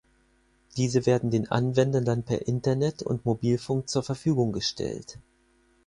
Diese werden den Anwendern dann per Internet und Mobilfunk zur Verfügung gestellt.